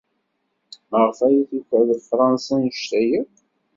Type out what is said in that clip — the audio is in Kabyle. Maɣef ay tukeḍ Fṛansa anect-a akk?